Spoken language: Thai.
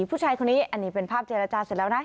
ผู้ชายคนนี้อันนี้เป็นภาพเจรจาเสร็จแล้วนะ